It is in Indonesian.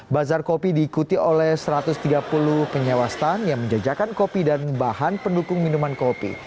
bazar kopi diikuti oleh satu ratus tiga puluh penyewa stand yang menjajakan kopi dan bahan pendukung minuman kopi